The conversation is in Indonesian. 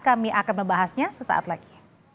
kami akan membahasnya sesaat lagi